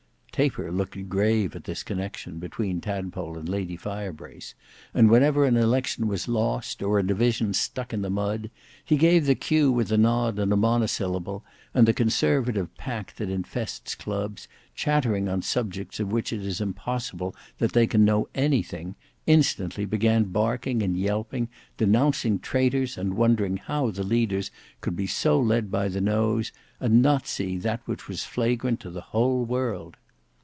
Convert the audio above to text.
Taper looked grave at this connection between Tadpole and Lady Firebrace; and whenever an election was lost, or a division stuck in the mud, he gave the cue with a nod and a monosyllable, and the conservative pack that infests clubs, chattering on subjects of which it is impossible they can know anything, instantly began barking and yelping, denouncing traitors, and wondering how the leaders could be so led by the nose, and not see that which was flagrant to the whole world.